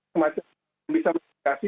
semuanya bisa berkomunikasi